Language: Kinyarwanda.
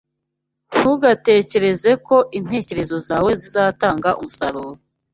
ntugategereze ko intekerezo zawe zizatanga umusaruro